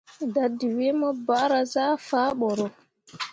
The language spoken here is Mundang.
Dadǝwee mu bahra zah faa boro.